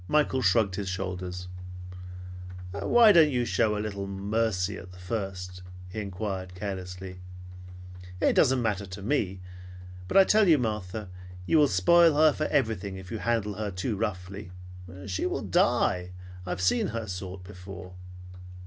Michael shrugged his shoulders. "Why don't you show a little, mercy at the first?" he inquired carelessly. "It doesn't matter to me, but I tell you, Martha, you will spoil her for everything if you handle her too roughly. She will die. I've seen her sort before."